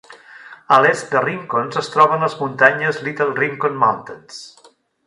A l'est de Rincons es troben les muntanyes Little Rincon Mountains.